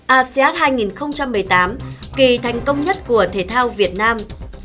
asean hai nghìn một mươi tám kỳ thành công nhất của thể thao việt nam